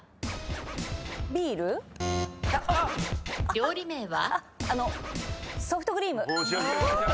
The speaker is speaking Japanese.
料理名は？